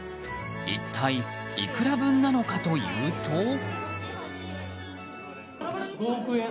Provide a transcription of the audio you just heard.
一体、いくら分なのかというと。